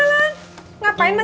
kebetulan jatuhin aku pertama mah